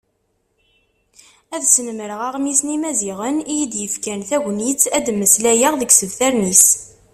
Ad snemreɣ Aɣmis n Yimaziɣen iyi-yefkan tagnit, ad d-mmeslayeɣ deg yisebtaren-is.